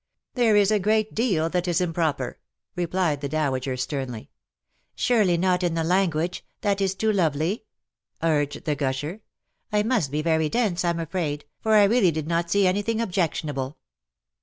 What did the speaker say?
" There is a great deal that is improper," replied the dowager, sternly. '* Surely not in the language : that is too lovely ?'" urged the gusher. " I must be very dense, Tm afraid, for I really did not see anything objection able.''